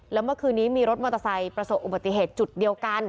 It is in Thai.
แล้วเมื่อคืนนี้มีรถมอเตอร์ไซค์ประสบอุบัติเหตุจุดเดียวกัน